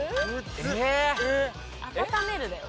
「温める」だよ。